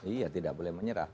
iya tidak boleh menyerah